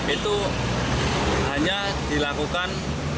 itu hanya dilakukan